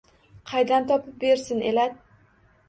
Qaydan topib bersin elat!